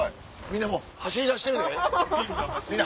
みんな走りだしてるで。